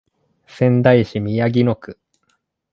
仙台市宮城野区